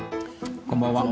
こんばんは。